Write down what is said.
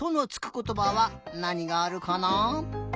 ことばはなにがあるかな？